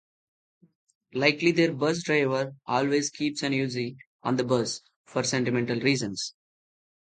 Luckily their bus-driver always keeps an Uzi on the bus "for sentimental reasons".